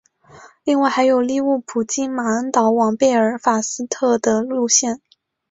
另外还有利物浦经马恩岛往贝尔法斯特的路线。